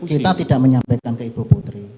kita tidak menyampaikan ke ibu putri